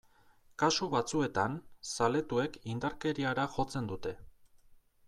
Kasu batzuetan, zaletuek indarkeriara jotzen dute.